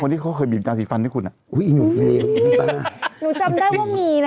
ที่เขาเคยบีบจาสีฟันให้คุณอ่ะอุ้ยหนูเองหนูจำได้ว่ามีนะ